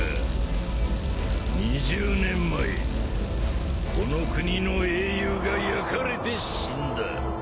２０年前この国の英雄が焼かれて死んだ。